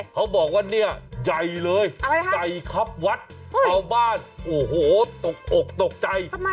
เขาบอกว่าเนี่ยใหญ่เลยใหญ่ครับวัดชาวบ้านโอ้โหตกอกตกใจ